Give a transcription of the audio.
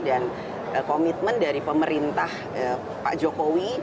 dan komitmen dari pemerintah pak jokowi